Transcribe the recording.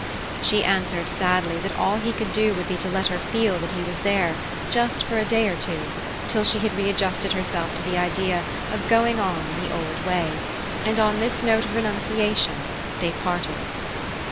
She answered sadly that all he could do would be to let her feel that he was there just for a day or two, till she had readjusted herself to the idea of going on in the old way; and on this note of renunciation they parted.